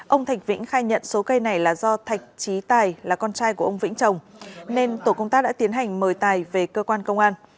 ông thạch vĩnh khai nhận số cây này là do thạch trí tài là con trai của ông vĩnh trồng nên tổ công tác đã tiến hành mời tài về cơ quan công an